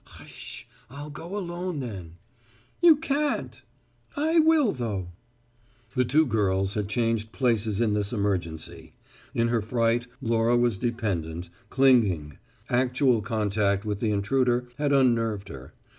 "Hush! I'll go alone then." "You can't." "I will, though!" The two girls had changed places in this emergency. In her fright Laura was dependent, clinging: actual contact with the intruder had unnerved her.